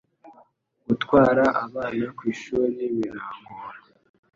Gutwara abana kw’ishuri birangora